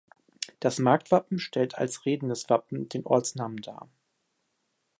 Das Marktwappen stellt als redendes Wappen den Ortsnamen dar.